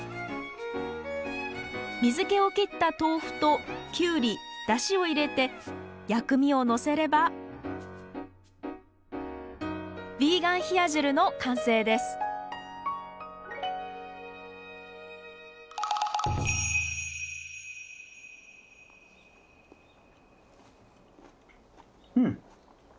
水気を切った豆腐とキュウリダシを入れて薬味をのせればヴィーガン冷や汁の完成ですうん！